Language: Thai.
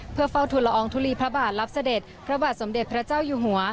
เพื่อเฝ้าทุลอองทุลีพระบาทรับเสด็จพระบาทสมเด็จพระเจ้าอยู่หัว